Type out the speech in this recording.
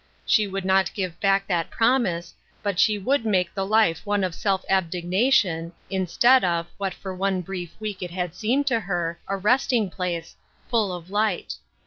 She would not give back that promise, but she would make the life one of self abnega tion, instead of — what for one brief week it had seemed to her — a resting place, full of light.